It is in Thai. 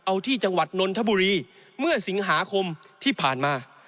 เอาที่จังหวัดนนทบุรีเมื่อสิงหาคมที่ผ่านมา